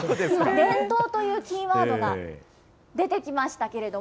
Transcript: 伝統というキーワードが出てきましたけれども、